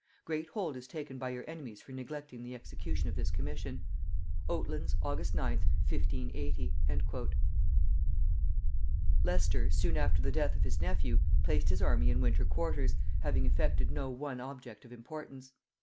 Great hold is taken by your enemies for neglecting the execution of this commission. "Oatlands, August 9th 1580." [Note 96: "Sidney Papers," vol. i. p. 276.] Leicester, soon after the death of his nephew, placed his army in winter quarters, having effected no one object of importance.